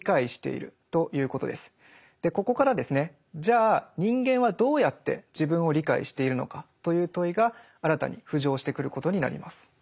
ここからですねじゃあ人間はどうやって自分を理解しているのかという問いが新たに浮上してくることになります。